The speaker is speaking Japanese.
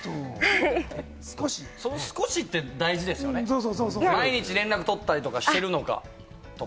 その少しって大事ですよね、毎日連絡取ったりしてるのかとか。